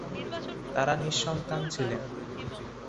তারা নিঃসন্তান ছিলেন।